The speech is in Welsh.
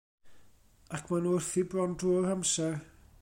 Ac maen nhw wrthi bron drwy'r amser.